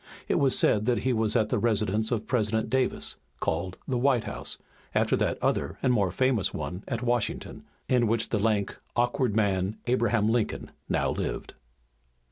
It was said that he was at the residence of President Davis, called the White House, after that other and more famous one at Washington, in which the lank, awkward man, Abraham Lincoln, now lived.